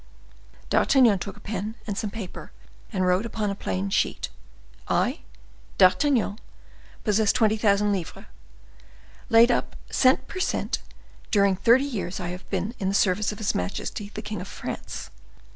D'Artagnan took a pen and some paper, and wrote upon a plain sheet,—"I, D'Artagnan, possess twenty thousand livres, laid up cent per cent during thirty years that I have been in the service of his majesty the king of France.